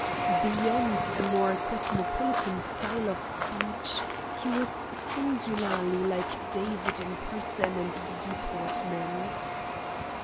Beyond a more cosmopolitan style of speech, he was singularly like David in person and deportment.